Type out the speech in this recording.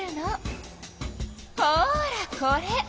ほらこれ！